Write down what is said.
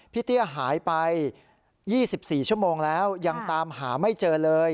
เตี้ยหายไป๒๔ชั่วโมงแล้วยังตามหาไม่เจอเลย